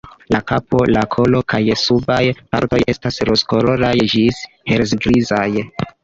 La kapo, la kolo kaj subaj partoj estas rozkoloraj ĝis helgrizaj.